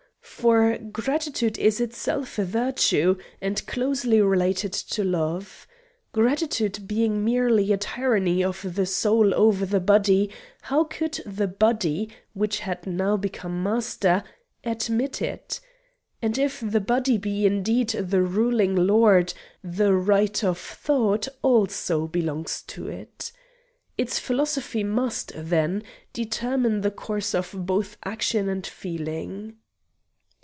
For Gratitude is itself a virtue and closely related to Love. Gratitude being merely a tyranny of the soul over the body, how could the body, which had now become master, admit it? And if the body be indeed the ruling lord, the right of thought also belongs to it. Its philosophy must, then, determine the course of both action and feeling.